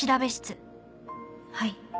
はい。